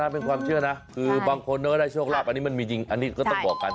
เป็นความเชื่อนะคือบางคนก็ได้โชคลาภอันนี้มันมีจริงอันนี้ก็ต้องบอกกัน